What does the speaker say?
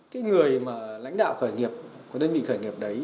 cái người mà lãnh đạo khởi nghiệp của đơn vị khởi nghiệp đấy